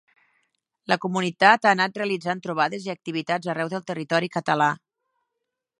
La comunitat ha anat realitzant trobades i activitats arreu del territori català.